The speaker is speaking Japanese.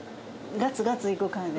ガツガツいく感じ。